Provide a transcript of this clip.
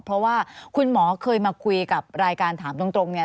เพราะว่าคุณหมอเคยมาคุยกับรายการถามตรงเนี่ย